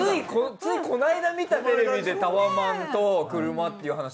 ついこの間見たテレビでタワマンと車っていう話してたよ。